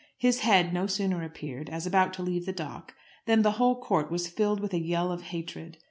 His head no sooner appeared, as about to leave the dock, than the whole court was filled with a yell of hatred.